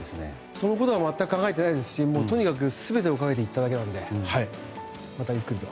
そのことは全く考えていないですしとにかく全てをかけて行っただけなのでまたゆっくりと。